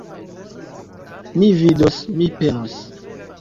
Mi vidos, mi penos.